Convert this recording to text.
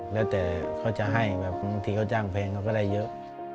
แล้วแต่เขาจะให้แบบบางทีเขาจ้างแพงเขาก็ได้เยอะ